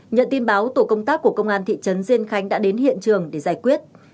nhận tin báo tổ công tác của công an thị trấn diên khánh đã đến hiện trường để giải quyết